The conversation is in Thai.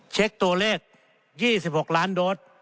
เช็คตัวเลข๒๖ล้านโดส